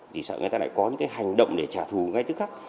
thì sợ người ta lại có những cái hành động để trả thù ngay tức khắc